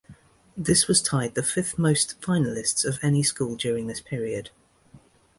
This was tied the fifth most finalists of any school during this period.